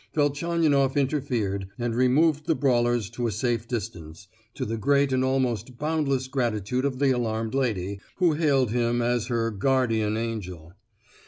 Velchaninoff interfered, and removed the brawlers to a safe distance, to the great and almost boundless gratitude of the alarmed lady, who hailed him as her "guardian angel."